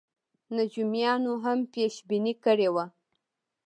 نجومیانو هم پېش بیني کړې وه.